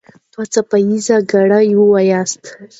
دوه څپه ايزه ګړې وواياست.